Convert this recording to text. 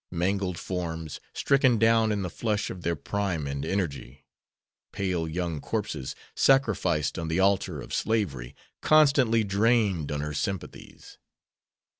Mangled forms, stricken down in the flush of their prime and energy; pale young corpses, sacrificed on the altar of slavery, constantly drained on her sympathies.